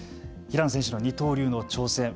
平野選手の二刀流の挑戦。